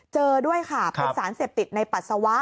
เจอด้วยค่ะเป็นสารเสพติดในปัสสาวะ